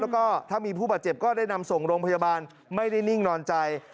แล้วก็ถ้ามีผู้บาดเจ็บก็ได้นำส่งโรงพยาบาลไม่ได้นิ่งนอนใจ